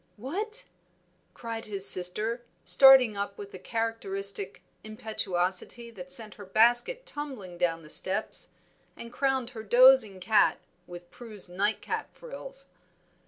"What!" cried his sister, starting up with a characteristic impetuosity that sent her basket tumbling down the steps, and crowned her dozing cat with Prue's nightcap frills.